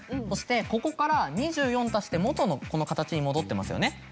そしてここから２４足して元のこの形に戻ってますよね？